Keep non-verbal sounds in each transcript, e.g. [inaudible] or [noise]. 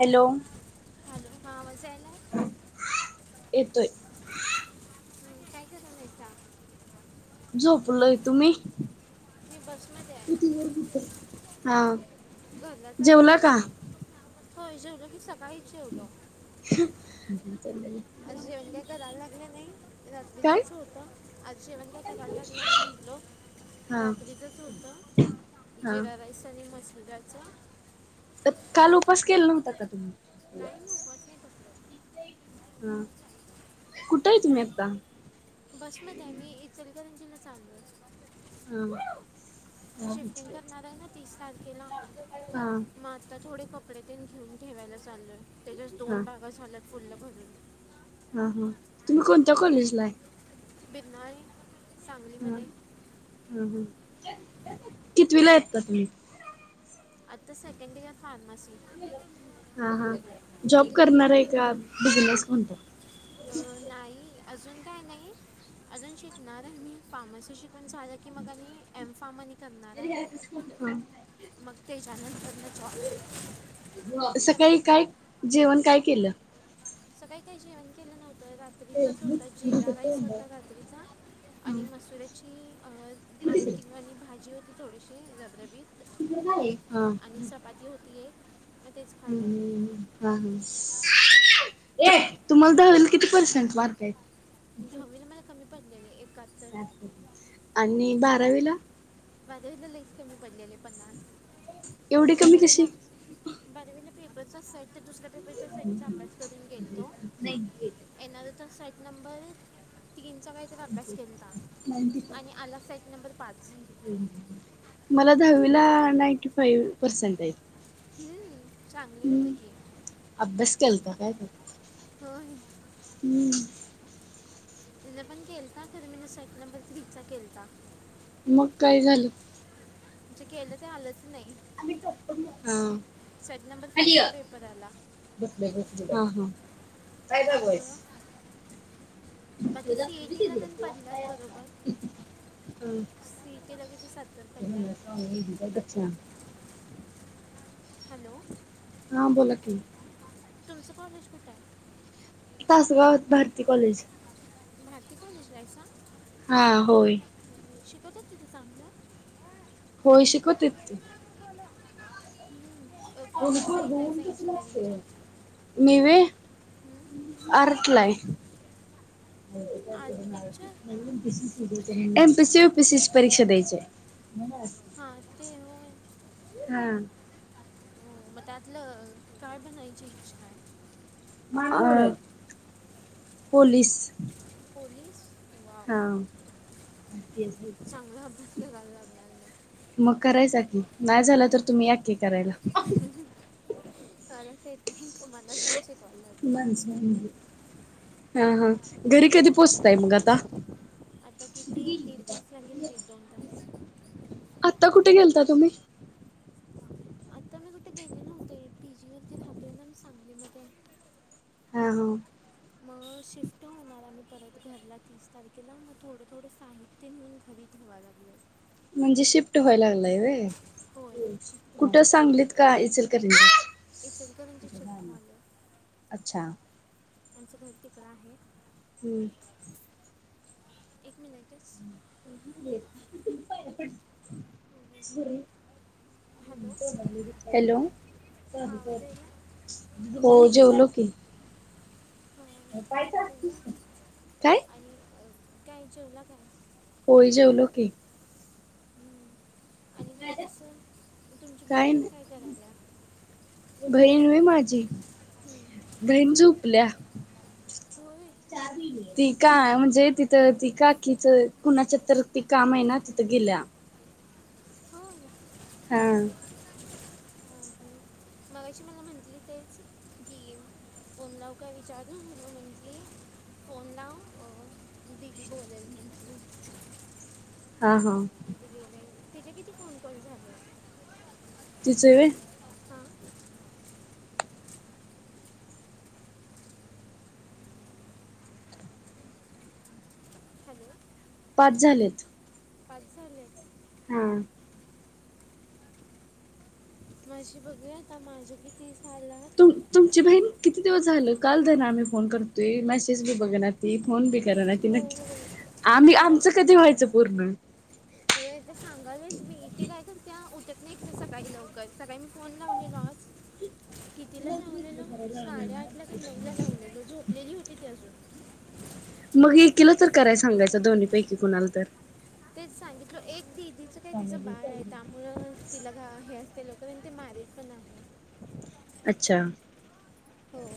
Hello. Hello, हां आवाज यायलाय? येतोय. काय कर. [unintelligible] झोपलोय, तुम्ही? मी बसमध्ये आहे घरलाच जेवला आणलं का हो जेवलो की सकाळीच जेवलो. [inaudible] आज जेवण काय करायला लागे नाही. काय रात्रीचच होतं. आज जेवण काय कारायला लागल्या नाही. म्हटलो हा रात्रिचाच होत हा जिरा राईस आणि मसुर दाळच. तर काल उपास केला न्हवता का? नाही मी उपवास नाही पकडलो हा कुठय तुम्ही आता? बसमध्येआहे मी. इचलकरंजीना चालले. [unintelligible] शिफ्टंग करणार ना तीस तारखेला माझ. आता थोडे कपडे ते घेऊन ठेवायला चाललो. त्याच्याच हा दोन बागा झालत फुल भरून. हा हा तुम्ही कोणत्या कॉलेजला आहे? [unintelligible] सांगलीमध्ये हम हम कितवीला तुम्ही? आता सेकंड इयर फार्मासी. हम हम जॉब करणारा ए का? बिजनेस कोणत अ नाही अजून काय नाही. अजून शिकणार आहे मी फार्मसी शिकून झालं की मग आणि एम फार्मानी [unintelligible] मग ते हा सकाळी [unintelligible] काय जेवण काय केल? सकाळी काय जेवण केलं ना तर रात्रीचच होत जिरा राईस होता रात्रीचा हा आणि मसुऱ्याची अ आमटी आणि भाजी होती थोडीशी रबरबीत [unintelligible] हा आणि चपाती होती एक मग तेच खाल्ल. [unintelligible] तुम्हाला दहावील किती पर्सेंट लागतय दहावीला मला कमी पडलेले एकाहत्तर. आणि बारावीला? बारावीला लइच कमी पडलेले पन्नास एवढी कमी बारावी कशी ला बारावीला पेपर च सेट दुसर्‍या पेपरच्या सेट चा अभ्यास करून गेलतो येणार होता सेट नंबर तीन चा काय अभ्यास केलता आणि आला सेट नंबर पाच हम मला दहावीला नाईंटी फाईव पर्सेंट येतं हम्म चांगले होते की अभ्यास केलता काय [unintelligible] हो हम्म मिन पण केलता खर मीन सेट नंबर थ्री चा केलता मग काय झालं? जे केलं ते आलंच नाही आ बसले सेट नंबर फाईव्हचा पेपर आला बसले ह हा काय त्यामुळं [unintelligible] बाकी सी इ टी ला तर पडल्यात बरोबर. हा सी इ टी ला कीती सत्तर पडल्यात. हॅलो हा बोला की तुमच कॉलेज कुठय? तासगावात भारती कॉलेज. भारती कॉलेजला हायसा? हां होय शिकवतात तिथ चांगल? होय शिकवतेत. कोणत्या साइडला हाइसा इंजिनिअरिंगच्या? मी व्हय आर्ट लाय. [inaudible] Architecture M P C, U P C परीक्षा द्यायचीये. हां ते होय हां मग त्यातल काय बनायची इच्छा आहे? पोलीस. पोलीस वाव हां चांगला अभ्यास करायला लागणार नाही मग करायचा की. नाही झाल तर तुम्ही या की करायला. चालते तुम्हाला मनसे एक [unintelligible] माणस हम्म हम्म हा हा घरी कधी पोहोचताय मग आता? आता किती दीड तास लागेल दीड दोन तास. आत्ता कुठे गेलता तुम्ही? आता मी कुठे गेले नव्हते पी जी मध्ये थांबले ना मी सांगली मधे. हां हां मग शिफ्ट होणार आहे मी परत घरला तस. खी मग थोड थोड साहित्य नेऊन घरी ठेवायला लागले. म्हणजे शिफ्ट व्हायला लागलाय व्हय? होय कुठ सांगलीत का इचलकरंजीत? इचलकरंजी शिफ्ट झालं आमच घर तीकड आहे. हम्म एक मिनिट हं सुरेल हॅलो हॅलो हा आवाज आहे ना हो जेवलो की. हां जेवला काय? आणि काय जेवला काय? हो जेवलो की. हम्म. आणि काय कस तुमची [unintelligible] काय करायला. बहीण होय माझी हम्म. बहीण झोपल्या. होय चहा [unintelligible] ती का म्हणजे तिथं ती काकीचं कुणाच्या तर, ती काम आहे ना तिथं गेल्या. होय हा. मगाशी मला म्हटली, तेच [unintelligible] फोन लावू काय विचारू, म म्हटली फोन लाव. दिदी बोलल म्हणली. हा, हा. तिचे किती फोन काँल झाले? तिचे होय? हां हॅलो पाच झालेत. पाच झालेत? हा. माझी बघूया आता माझे किती झाल्यात. तुम तुमची बहीण किती दिवस झाल, काल दरन आम्ही फोन करतोय, मेसेज बी बघ ना ती, फोन बी कराना तिन. हो आम्ही मी ना आमचं कधी व्हायचं पूर्ण? तरं सांगालच मी, ती काय करत्या उठत नाही सकाळी लवकर, सकाळी मी फोन लावलेलो आज. [inaudible] कितीला लावलेलो, साडेआठला काय नऊला लावलेलो, झोपलेली होती ती अजून. मग एकिला तर कराय सांगायचं, दोन्ही पैकी कुणाला तर? तेच सांगितलं, एक दिदिच काय तिचं बाळ हाय त्यामुळं तिला घा हे असते लोक ते मारीत म्हण [inaudible] अच्छा? होय.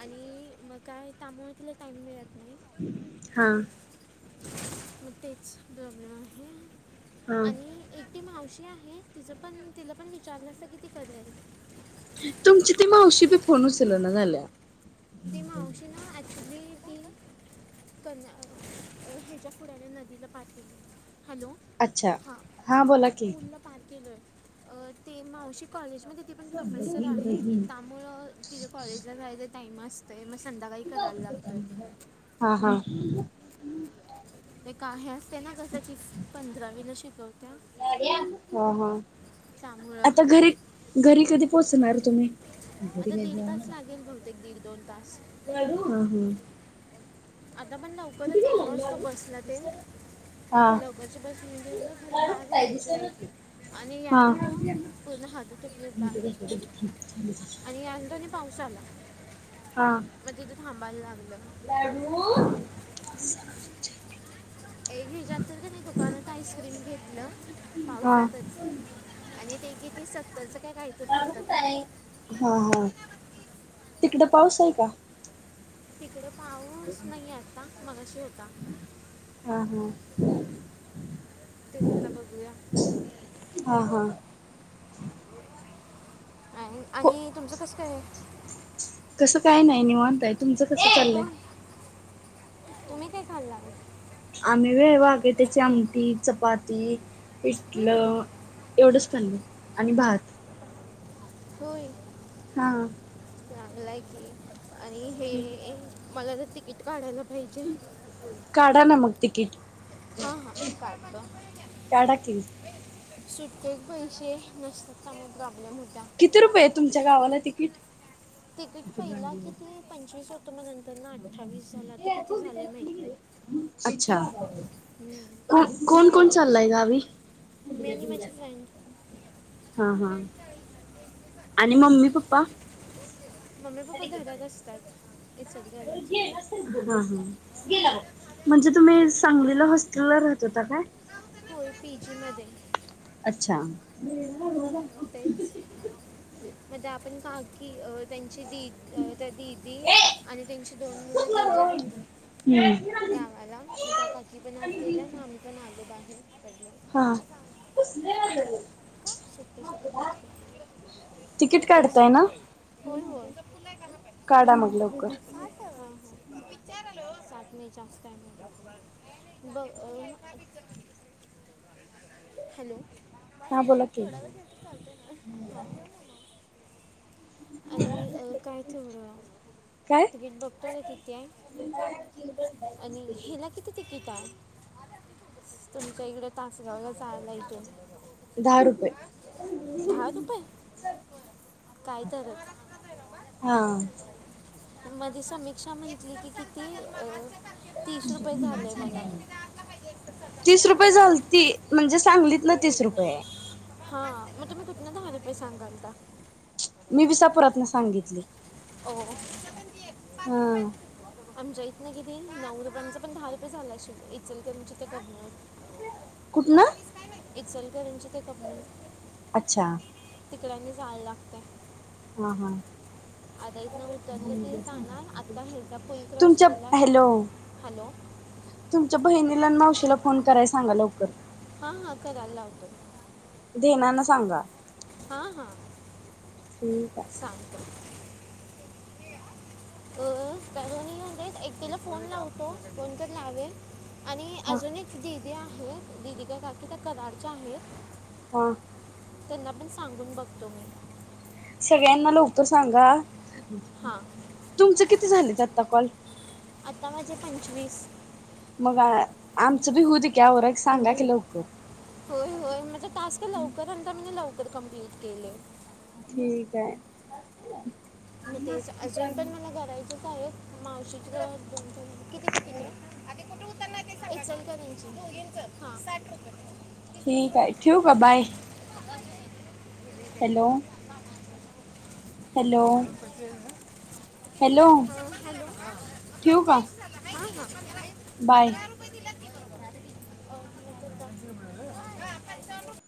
आणि म काय त्यामुळ तिला टाइम मिळत नाही. हा. मग तेच प्रॉब्लेम आहे हा आणि एकटी मावशी आहे, तिचं पण तिला पण विचारल सगळी तिकडली आहेत. तुमची ती मावशी बी फोन उचलना झाल्या. ती मावशी ना, ऍक्चुली ती कन ह्याच्या पुुड्याने नदीला पाठव. हॅलो? अच्छा हा, बोला की पुर्ण पार केलोय, ती मावशी कॉलेजमध्ये ती पण प्रोफेसर आहे, ता त्यामुळं, तिच कॉलेजला जायच टाइम असतोय, मग संध्याकाळी करायला लागतंय. हा, हा. ते का हे असते ना कसं की, पंधरावीला शिकवत्या. हा, हा. त्यामुळं आता घरी, घरी कधी पोचणार तुम्ही? आता दीड [unintelligible] दोन तास. [unintelligible] आता पण लवकरच आलो असतो बसला ते? हा लोकांच्या बसून [unintelligible] खर बॅग वजी आहे. आणि हा यानंतो हा पूर्ण हाताचे प्लेट बांधू [unintelligible] पाऊसा आला हा मग तिथे थांबायला लागलं. [unintelligible] एक हच्यात तर त्याने दुकानात आईस्क्रीम घेतलं हा पावसातच आणि तेची ते सत्तरच काय कायतरी होतं काय हम्म हम्म तिकड पाऊस आहे का? तिकड पाऊस नाहीये आता मगाशी होता. हा हा. तेच आता बघूया हा हा आहे को आणि तुमचं कस काय आहे कसं काय नाही निवांत आहे. तुमचं कसं चाललंय? तुमही काय खाल्ल आज? आम्ही व्हय वागीत्या आमटी, चपाती हम्म, पिठलं एवढंच खाल्ल आणि भात. होय. हा. चांगलं आहे की आणि ठीक. हे मला तर तिकीट काढायला पाहिजे. काढा ना मग तिकीट. हा हा काढतो. काढा की सुट्टे पैसेे नसतात त्यामुळेही प्रॉब्लेम होता. किती रुपये आहेत तुमच्या गावाला तिकीट? तिकीट पहिला किती पंचवीस होत म नंत नाही अच्छा. नाही कोण कोण चाललय गावी? मी आणि माझी फ्रेंड [unintelligible] हा हा. आणि मम्मी पप्पा हे सगळ [unintelligible] हा हा म्हणजे तुम्ही सांगलीला हॉस्टेलला राहत होता काय? होय पी जी मध्ये. अच्छा. [unintelligible] तेच म्हणजे आपण [unintelligible] की त्यांची दि अह त्या दिदी आणि त्यांची दोन मुलं गेल्यात हम्म. गावाला मग त्या काकी पण आज गेल्या मग आम्ही पण आलो बाहेर [unintelligible] हां [unintelligible] का [unintelligible] तिकीट इथेस काढताय ना? होय होय काढा मग लवकर. [unintelligible] हा ठेवा विचारालो ओ सात मी जास्त आहे. बघ अह हॅलो हा बोला [unintelligible] की. थोडा वेळ घेत चालत आणि अ काय तेवढ काय? तिकिट बघतोय काय किती आहे? [unintelligible] हिला किती तिकिट हाय तुमच्या इकडे तासगावला? चाललाय त्यो. दहा रुपये. दहा रुपये. तर हां. मधी समीक्षा म्हटली की किती अह तीस रुपय झालय मनं तीस रुपये झालती,, म्हणजे सांगलीत नं तीस रुपय य. हा मग तुम्ही कुटनं धा रुपय सांगालता? मी विसापुरातलनं सांगितले. ओ् [unintelligible] पाच रुपय. आमच्या इथनं किती नऊ रुपयांच पण धा रुपय झालय सोड, इचलकरंजी ते कबनूर. [unintelligible] कुठंन ऽ? वीस इचलकरंजी ते कबनूर. अच्छा. तिकडं आनी जायला -लागतय. हां हां. आता इथनं उतरलं की जाणार,, आता ह्याजा पुल क्रॉस तुमच्या केला हॅलो हॅलो! तुमच्या बहिणी ला अन मावशीला फोन कराय सांगा लवकर. हा हा करायल लावतो. धेनानं सांगा. हा हा. ठिक हाय. सांगतो. अ काय झालं माहितय, एकटिला फोन लावतो, कोन तर लावेल आणि हा अजून एक दीदी आहे, दीदी का काकी त्या कराडच्या आहेत हा त्यांना पण सांगून बघतो मी. सगळ्यांना लवकर सांगा,, हां तुमचं किती झालेत आता कॉल? आता माझे पंचवीस मग - आमचं बी हू दे की आवरा की सांगा की लवकर. होय होय, म्हणजे टास्क लवकर आलता, मी लवकर कंम्प्लीट केले. ठीकाय. मग तेच, अजून पण मला करायचेच आहे. मावशीचं किती? तिकिटय,, आधी कुठं उतरनार ते इचलकरंजी,, दूगींचं,, हां,, साठ रुपय. तीस तीस ठीक आहे रुपय ठेवू का बाय हॅलो! हॅलो [unintelligible] हॅलो हां ठेवू का हॅलो! हां बाय हां [unintelligible] [unintelligible]